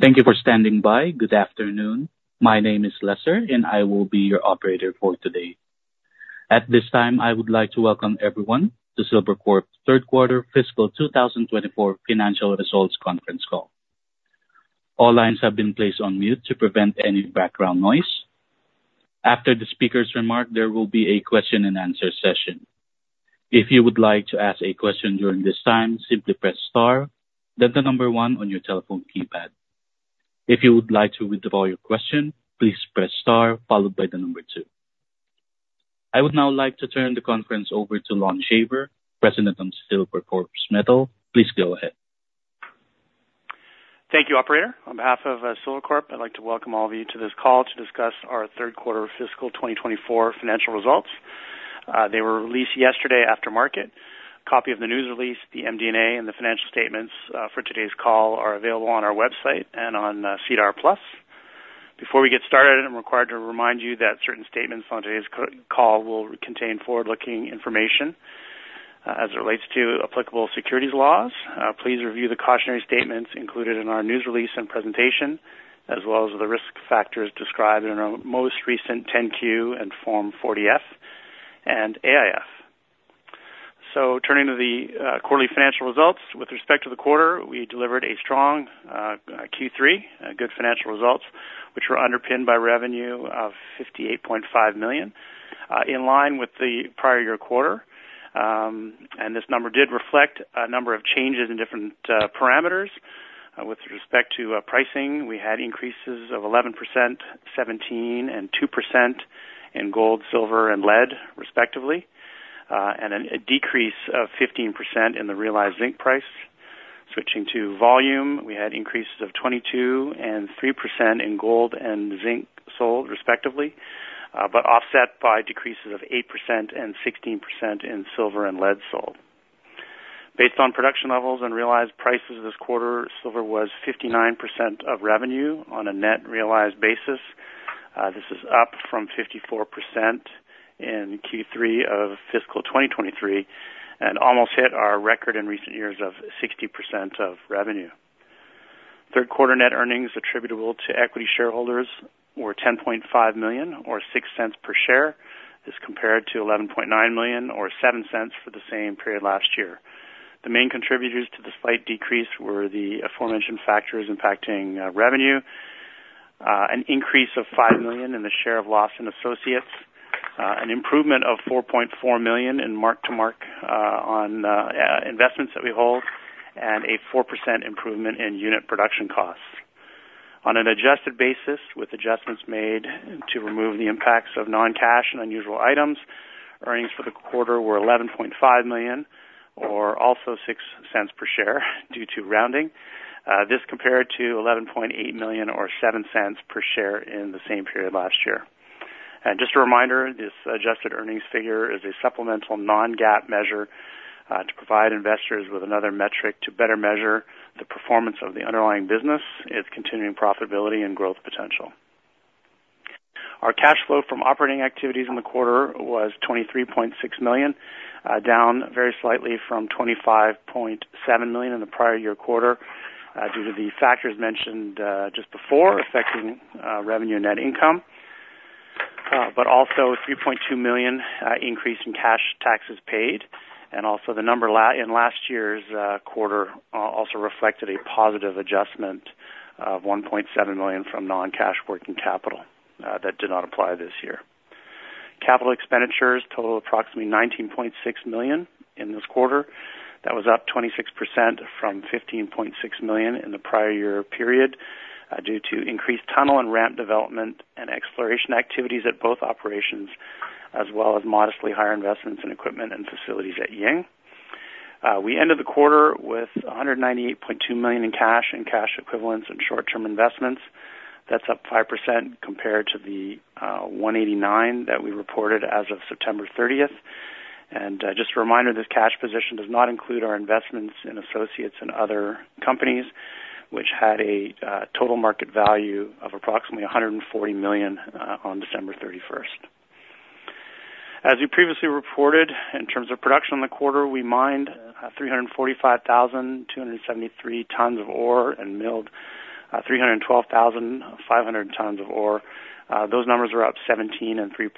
Thank you for standing by. Good afternoon. My name is Lester, and I will be your operator for today. At this time, I would like to welcome everyone to Silvercorp's Q3 Fiscal 2024 Financial Results Conference Call. All lines have been placed on mute to prevent any background noise. After the speaker's remark, there will be a question-and-answer session. If you would like to ask a question during this time, simply press star, then the number one on your telephone keypad. If you would like to withdraw your question, please press star followed by the number two. I would now like to turn the conference over to Lon Shaver, President of Silvercorp Metals. Please go ahead. Thank you, operator. On behalf of Silvercorp, I'd like to welcome all of you to this call to discuss our Q3 Fiscal 2024 Financial Results. They were released yesterday after market. Copy of the news release, the MD&A, and the financial statements for today's call are available on our website and on SEDAR+. Before we get started, I'm required to remind you that certain statements on today's call will contain forward-looking information as it relates to applicable securities laws. Please review the cautionary statements included in our news release and presentation, as well as the risk factors described in our most recent 10-Q and Form 40-F and AIF. Turning to the quarterly financial results. With respect to the quarter, we delivered a strong Q3 good financial results, which were underpinned by revenue of $58.5 million in line with the prior year quarter. This number did reflect a number of changes in different parameters. With respect to pricing, we had increases of 11%, 17%, and 2% in gold, silver, and lead, respectively, and a decrease of 15% in the realized zinc price. Switching to volume, we had increases of 22% and 3% in gold and zinc sold, respectively, but offset by decreases of 8% and 16% in silver and lead sold. Based on production levels and realized prices this quarter, silver was 59% of revenue on a net realized basis. This is up from 54% in Q3 of fiscal 2023 and almost hit our record in recent years of 60% of revenue. Q3 net earnings attributable to equity shareholders were $10.5 million, or $0.06 per share, as compared to $11.9 million, or $0.07 for the same period last year. The main contributors to the slight decrease were the aforementioned factors impacting revenue, an increase of $5 million in the share of loss in associates, an improvement of $4.4 million in mark-to-market on investments that we hold, and a 4% improvement in unit production costs. On an adjusted basis, with adjustments made to remove the impacts of non-cash and unusual items, earnings for the quarter were $11.5 million, or also $0.06 per share, due to rounding. This compared to $11.8 million, or $0.07 per share in the same period last year. Just a reminder, this adjusted earnings figure is a supplemental non-GAAP measure, to provide investors with another metric to better measure the performance of the underlying business, its continuing profitability and growth potential. Our cash flow from operating activities in the quarter was $23.6 million, down very slightly from $25.7 million in the prior year quarter, due to the factors mentioned just before affecting revenue and net income, but also $3.2 million increase in cash taxes paid. Also, the number in last year's quarter also reflected a positive adjustment of $1.7 million from non-cash working capital, that did not apply this year. Capital expenditures totaled approximately $19.6 million in this quarter. That was up 26% from $15.6 million in the prior year period, due to increased tunnel and ramp development and exploration activities at both operations, as well as modestly higher investments in equipment and facilities at Ying. We ended the quarter with $198.2 million in cash and cash equivalents and short-term investments. That's up 5% compared to the $189 million that we reported as of September 30. Just a reminder, this cash position does not include our investments in associates and other companies, which had a total market value of approximately $140 million on December 31. As we previously reported, in terms of production in the quarter, we mined 345,273 tons of ore and milled 312,500 tons of ore. Those numbers are up 17% and 3%,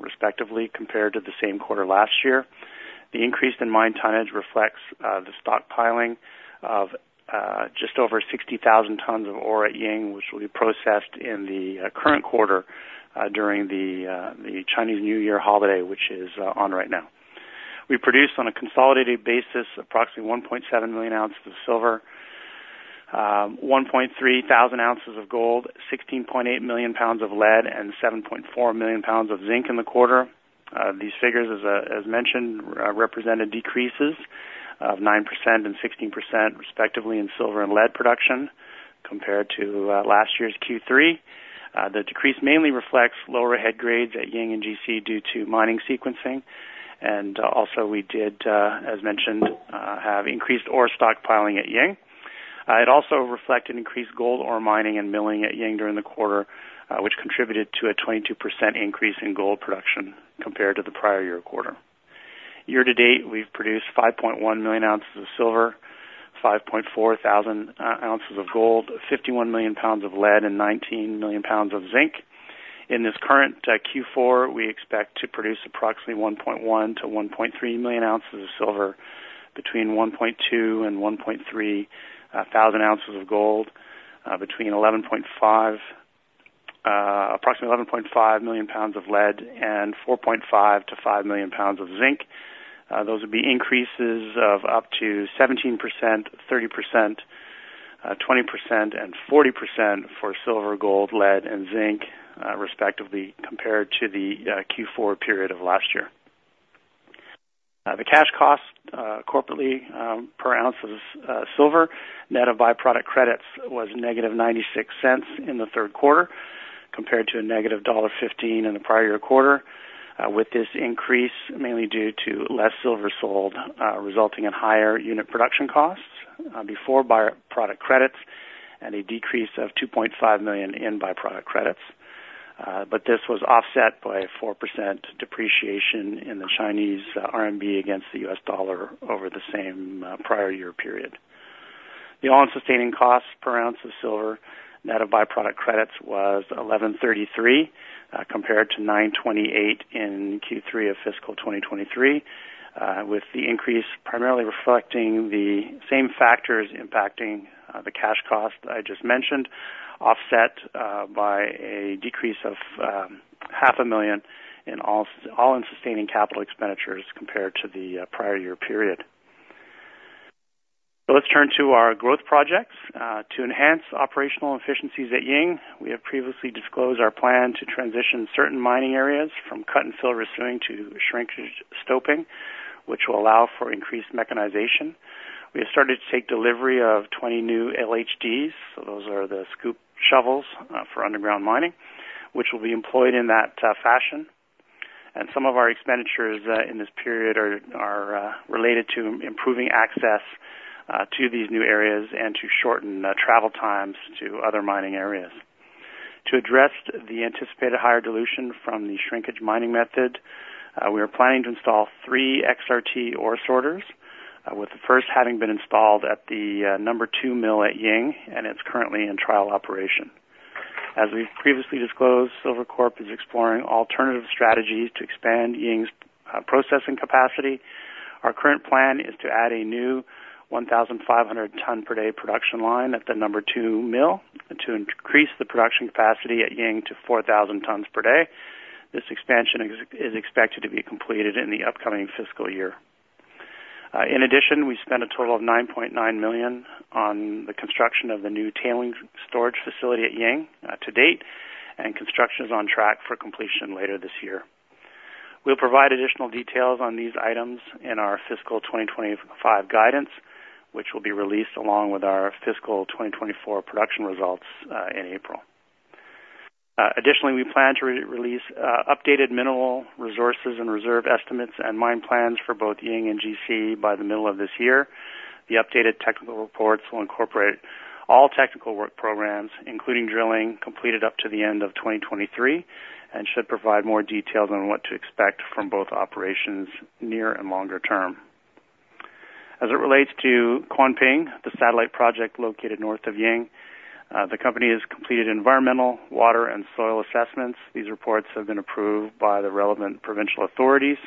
respectively, compared to the same quarter last year. The increase in mine tonnage reflects the stockpiling of just over 60,000 tons of ore at Ying, which will be processed in the current quarter during the Chinese New Year holiday, which is on right now. We produced, on a consolidated basis, approximately 1.7 million ounces of silver, 1,300 ounces of gold, 16.8 million pounds of lead, and 7.4 million pounds of zinc in the quarter. These figures, as mentioned, represented decreases of 9% and 16%, respectively, in silver and lead production compared to last year's Q3. The decrease mainly reflects lower head grades at Ying and GC due to mining sequencing. Also we did, as mentioned, have increased ore stockpiling at Ying. It also reflected increased gold ore mining and milling at Ying during the quarter, which contributed to a 22% increase in gold production compared to the prior year quarter. Year-to-date, we've produced 5.1 million ounces of silver, 5.4 thousand ounces of gold, 51 million pounds of lead, and 19 million pounds of zinc. In this current Q4, we expect to produce approximately 1.1-1.3 million ounces of silver, between 1,200 and 1,300 ounces of gold, approximately 11.5 million pounds of lead, and 4.5-5 million pounds of zinc. Those would be increases of up to 17%, 30%, 20%, and 40% for silver, gold, lead, and zinc, respectively, compared to the Q4 period of last year. The cash cost, corporately, per ounce of silver, net of byproduct credits, was -$0.96 in the Q3, compared to a negative $1.15 in the prior year quarter. With this increase mainly due to less silver sold, resulting in higher unit production costs, before byproduct credits, and a decrease of $2.5 million in byproduct credits. But this was offset by a 4% depreciation in the Chinese RMB against the US dollar over the same prior year period. The all-in-sustaining costs per ounce of silver, net of byproduct credits, was $1,133, compared to $928 in Q3 of fiscal 2023. With the increase primarily reflecting the same factors impacting the cash cost I just mentioned, offset by a decrease of $500,000 in all-in sustaining capital expenditures compared to the prior year period. So let's turn to our growth projects. To enhance operational efficiencies at Ying, we have previously disclosed our plan to transition certain mining areas from cut-and-fill to shrinkage stoping, which will allow for increased mechanization. We have started to take delivery of 20 new LHDs, so those are the scoop shovels for underground mining, which will be employed in that fashion. Some of our expenditures in this period are related to improving access to these new areas and to shorten travel times to other mining areas. To address the anticipated higher dilution from the shrinkage mining method, we are planning to install 3 XRT ore sorters, with the first having been installed at the number 2 mill at Ying, and it's currently in trial operation. As we've previously disclosed, Silvercorp is exploring alternative strategies to expand Ying's processing capacity. Our current plan is to add a new 1,500 ton per day production line at the number 2 mill to increase the production capacity at Ying to 4,000 tons per day. This expansion is expected to be completed in the upcoming fiscal year. In addition, we spent a total of $9.9 million on the construction of the new tailings storage facility at Ying to date, and construction is on track for completion later this year. We'll provide additional details on these items in our fiscal 2025 guidance, which will be released along with our fiscal 2024 production results in April. Additionally, we plan to release updated mineral resources and reserve estimates and mine plans for both Ying and GC by the middle of this year. The updated technical reports will incorporate all technical work programs, including drilling, completed up to the end of 2023, and should provide more details on what to expect from both operations near and longer term. As it relates to Kuanping, the satellite project located north of Ying, the company has completed environmental, water, and soil assessments. These reports have been approved by the relevant provincial authorities.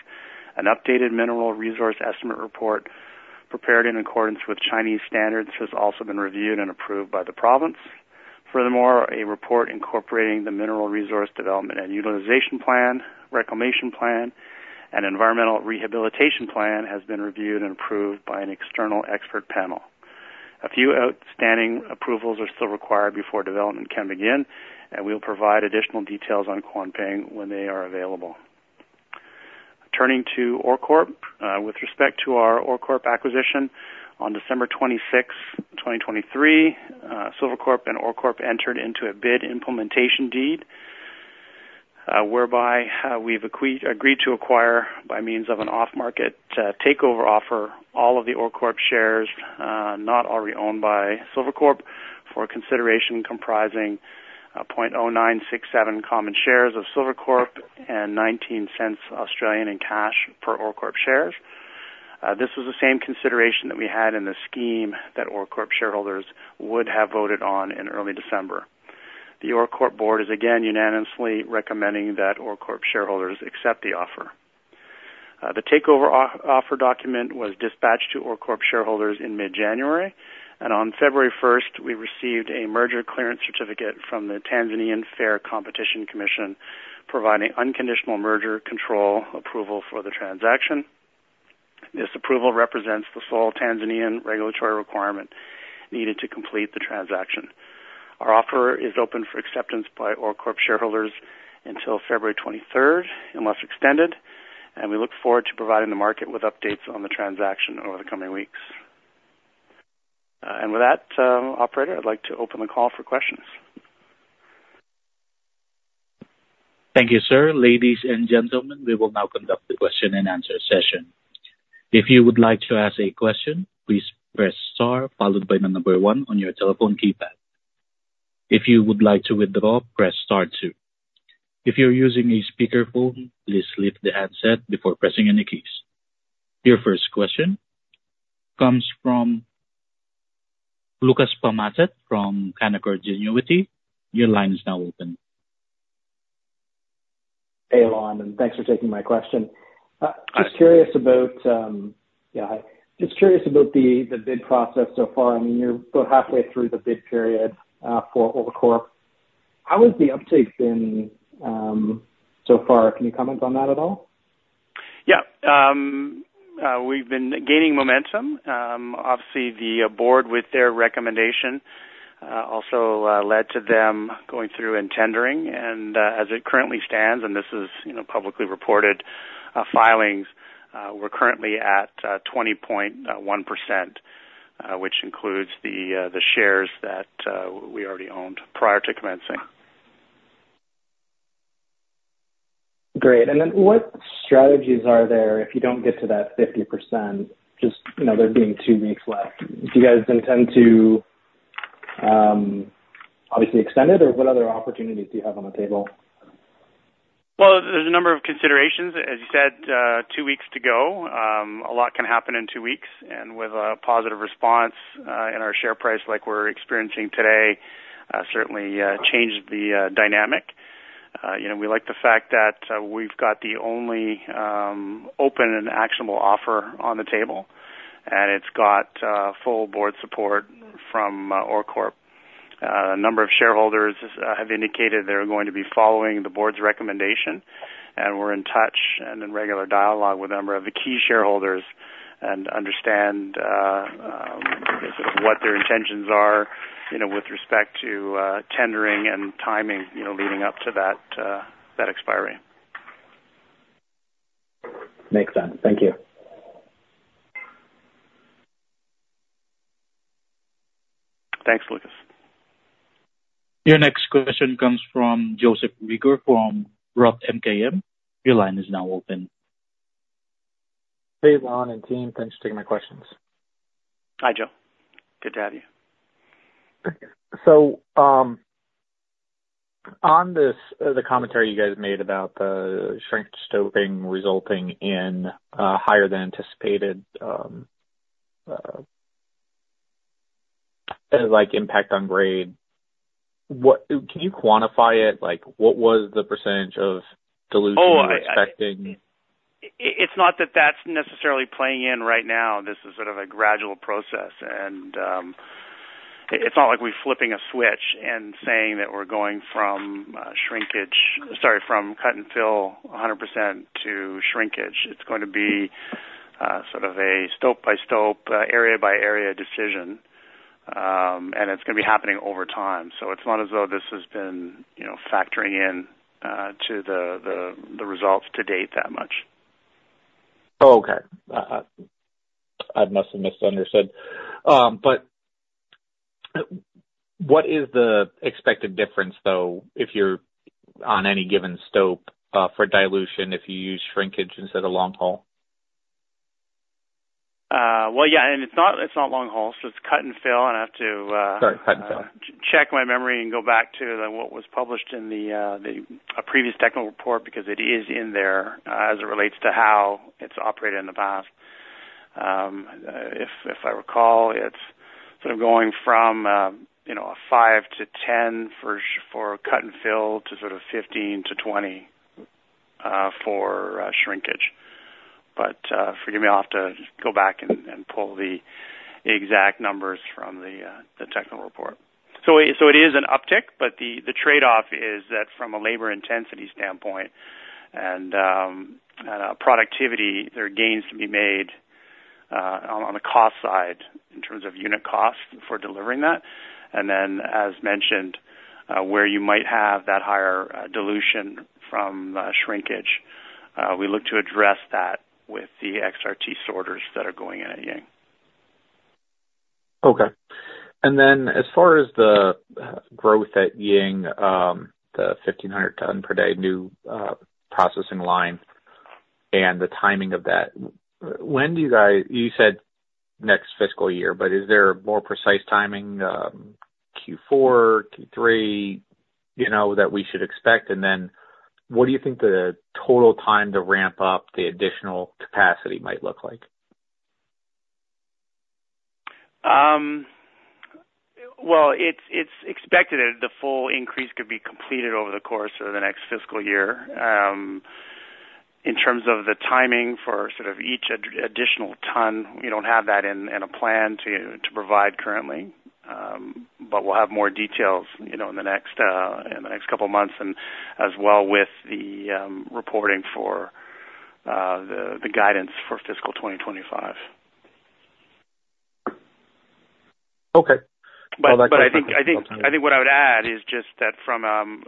An updated mineral resource estimate report, prepared in accordance with Chinese standards, has also been reviewed and approved by the province. Furthermore, a report incorporating the mineral resource development and utilization plan, reclamation plan, and environmental rehabilitation plan, has been reviewed and approved by an external expert panel. A few outstanding approvals are still required before development can begin, and we'll provide additional details on Kuanping when they are available. Turning to OreCorp, with respect to our OreCorp acquisition, on December 26, 2023, Silvercorp and OreCorp entered into a bid implementation deed, whereby we've agreed to acquire, by means of an off-market takeover offer, all of the OreCorp shares not already owned by Silvercorp, for consideration comprising 0.0967 common shares of Silvercorp and 0.19 in cash per OreCorp shares. This is the same consideration that we had in the scheme that OreCorp shareholders would have voted on in early December. The OreCorp board is again unanimously recommending that OreCorp shareholders accept the offer. The takeover offer document was dispatched to OreCorp shareholders in mid-January, and on February 1, we received a merger clearance certificate from the Tanzanian Fair Competition Commission, providing unconditional merger control approval for the transaction. This approval represents the sole Tanzanian regulatory requirement needed to complete the transaction. Our offer is open for acceptance by OreCorp shareholders until February twenty-third, unless extended, and we look forward to providing the market with updates on the transaction over the coming weeks. With that, operator, I'd like to open the call for questions. Thank you, sir. Ladies and gentlemen, we will now conduct the question-and-answer session. If you would like to ask a question, please press star followed by the number one on your telephone keypad. If you would like to withdraw, press star two. If you're using a speakerphone, please lift the handset before pressing any keys. Your first question comes from Lucas Pamatat from Canaccord Genuity. Your line is now open. Hey, Lon, and thanks for taking my question. Just curious about the bid process so far. I mean, you're about halfway through the bid period for OreCorp. How has the uptake been so far? Can you comment on that at all? Yeah, we've been gaining momentum. Obviously, the board, with their recommendation, also led to them going through and tendering. And, as it currently stands, and this is, you know, publicly reported filings, we're currently at 20.1%, which includes the shares that we already owned prior to commencing. Great. And then what strategies are there if you don't get to that 50%? Just, you know, there being two weeks left. Do you guys intend to, obviously extend it, or what other opportunities do you have on the table? Well, there's a number of considerations. As you said, two weeks to go. A lot can happen in two weeks, and with a positive response in our share price, like we're experiencing today, certainly changed the dynamic. You know, we like the fact that we've got the only open and actionable offer on the table, and it's got full board support from OreCorp. A number of shareholders have indicated they're going to be following the board's recommendation, and we're in touch and in regular dialogue with a number of the key shareholders and understand, I guess, what their intentions are, you know, with respect to tendering and timing, you know, leading up to that, that expiry. Makes sense. Thank you. Thanks, Lucas. Your next question comes from Joseph Reagor from Roth MKM. Your line is now open. Hey, Lon and team. Thanks for taking my questions. Hi, Joe. Good to have you. On this, the commentary you guys made about the shrinkage stoping resulting in higher than anticipated, like, impact on grade, what... Can you quantify it? Like, what was the percentage of dilution you were expecting? Oh, it's not that that's necessarily playing in right now. This is sort of a gradual process, and it's not like we're flipping a switch and saying that we're going from cut-and-fill 100% to shrinkage. It's going to be sort of a stope-by-stope, area-by-area decision, and it's gonna be happening over time. So it's not as though this has been, you know, factoring in to the results to date that much. Oh, okay. I must have misunderstood. But, what is the expected difference, though, if you're on any given stope, for dilution, if you use shrinkage instead of long hole? Well, yeah, and it's not, it's not long hole, so it's cut-and-fill. I'd have to, Sorry, cut-and-fill. Check my memory and go back to what was published in a previous technical report, because it is in there, as it relates to how it's operated in the past. If I recall, it's sort of going from, you know, a 5-10 for cut and fill, to sort of 15-20 for shrinkage. But forgive me, I'll have to go back and pull the exact numbers from the technical report. So it is an uptick, but the trade-off is that from a labor intensity standpoint and productivity, there are gains to be made on the cost side in terms of unit cost for delivering that. And then, as mentioned, where you might have that higher dilution from shrinkage, we look to address that with the XRT sorters that are going in at Ying. Okay. And then, as far as the growth at Ying, the 1,500 ton per day new processing line and the timing of that, when do you guys... You said next fiscal year, but is there a more precise timing, Q4, Q3, you know, that we should expect? And then, what do you think the total time to ramp up the additional capacity might look like? Well, it's expected that the full increase could be completed over the course of the next fiscal year. In terms of the timing for sort of each additional ton, we don't have that in a plan to provide currently. But we'll have more details, you know, in the next couple of months, and as well with the reporting for the guidance for fiscal 2025. Okay. I think what I would add is just that from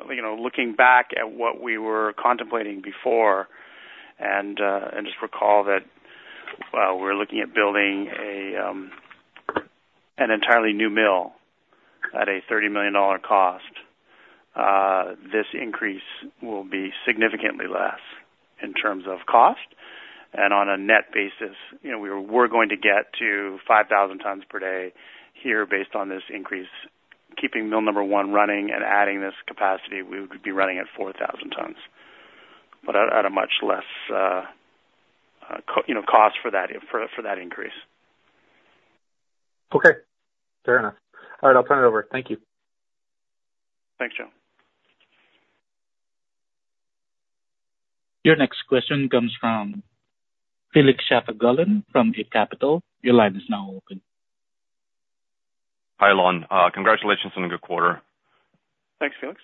you know looking back at what we were contemplating before and just recall that we're looking at building an entirely new mill at a $30 million cost this increase will be significantly less in terms of cost and on a net basis you know we're going to get to 5,000 tons per day here based on this increase. Keeping mill number one running and adding this capacity we would be running at 4,000 tons but at a much less you know cost for that for that increase. Okay, fair enough. All right, I'll turn it over. Thank you. Thanks, Joe. Your next question comes from Felix Shafigullin from Eight Capital. Your line is now open. Hi, Lon. Congratulations on a good quarter. Thanks, Felix.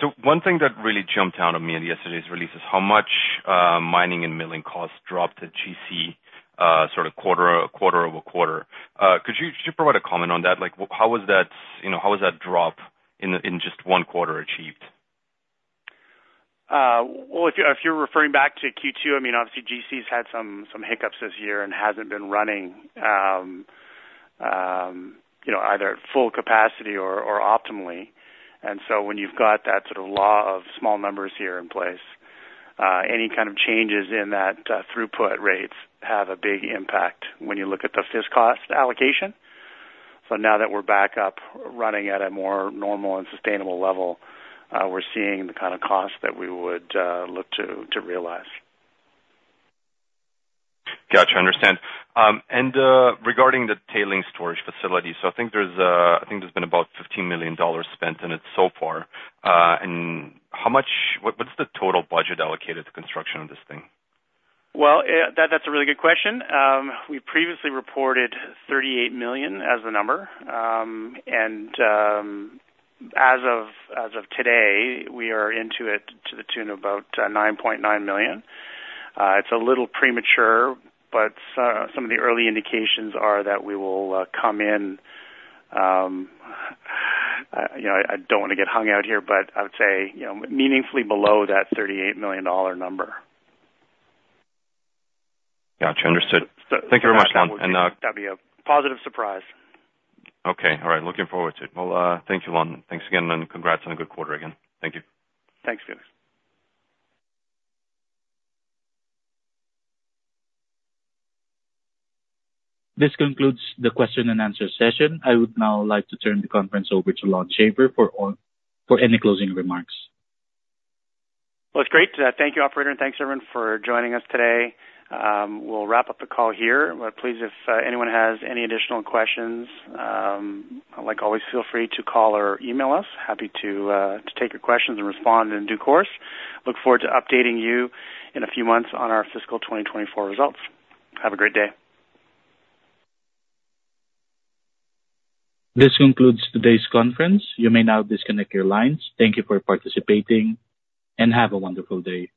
So one thing that really jumped out at me in yesterday's release is how much mining and milling costs dropped at GC, sort of quarter-over-quarter. Could you just provide a comment on that? Like, how was that, you know, how was that drop in just one quarter achieved? Well, if you're referring back to Q2, I mean, obviously GC's had some hiccups this year and hasn't been running, you know, either at full capacity or optimally. So when you've got that sort of law of small numbers here in place, any kind of changes in that throughput rates have a big impact when you look at the fixed cost allocation. Now that we're back up running at a more normal and sustainable level, we're seeing the kind of cost that we would look to realize. Gotcha, understand. Regarding the tailings storage facility, so I think there's been about $15 million spent in it so far. What's the total budget allocated to construction of this thing? Well, that's a really good question. We previously reported $38 million as the number. As of today, we are into it to the tune of about $9.9 million. It's a little premature, but so some of the early indications are that we will come in, you know, I don't want to get hung out here, but I would say, you know, meaningfully below that $38 million number. Gotcha. Understood. Thank you very much, Lon, and That'd be a positive surprise. Okay. All right. Looking forward to it. Well, thank you, Lon. Thanks again, and congrats on a good quarter again. Thank you. Thanks, Felix. This concludes the question and answer session. I would now like to turn the conference over to Lon Shaver for any closing remarks. Well, it's great. Thank you, operator, and thanks, everyone, for joining us today. We'll wrap up the call here, but please, if anyone has any additional questions, like always, feel free to call or email us. Happy to take your questions and respond in due course. Look forward to updating you in a few months on our fiscal 2024 results. Have a great day. This concludes today's conference. You may now disconnect your lines. Thank you for participating, and have a wonderful day.